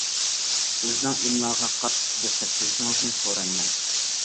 سىزنىڭ ئىملاغا قاتتىق دىققەت قىلىشىڭىزنى سورايمەن.